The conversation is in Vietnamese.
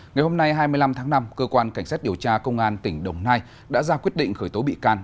ngày hôm nay hai mươi năm tháng năm cơ quan cảnh sát điều tra công an tỉnh đồng nai đã ra quyết định khởi tố bị can